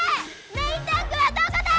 メインタンクはどこだ！